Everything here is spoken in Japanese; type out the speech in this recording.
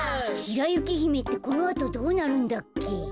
「しらゆきひめ」ってこのあとどうなるんだっけ？